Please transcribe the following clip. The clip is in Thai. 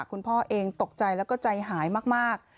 คุณพ่อเองตกใจแล้วก็ใจหายมาก